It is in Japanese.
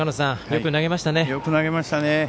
よく投げましたね。